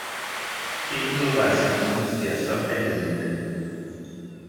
Ebenso war es Hensons erster Fantasyfilm.